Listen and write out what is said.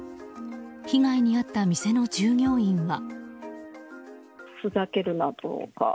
被害に遭った店の従業員は。